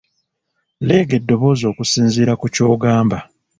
Leega eddoboozi okusinziira ku ky'ogamba .